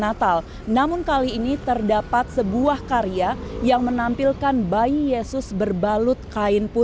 saya ingin kita tidak memiliki genosida di negara kita